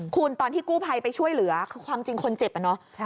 คุณตอนที่กู้ภัยไปช่วยเหลือคือความจริงคนเจ็บอะเนาะ